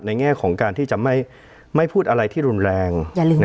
แง่ของการที่จะไม่พูดอะไรที่รุนแรง